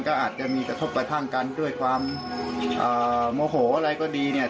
ก็อาจจะมีกระทบกระทั่งกันด้วยความโมโหอะไรก็ดีเนี่ย